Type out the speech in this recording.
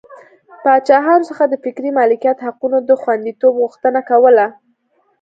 پاچاهانو څخه د فکري مالکیت حقونو د خوندیتوب غوښتنه کوله.